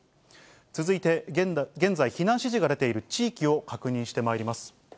続いて現在、避難指示が出ている地域を確認してまいります。